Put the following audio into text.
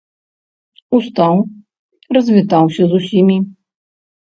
Устаў, развітаўся з усімі.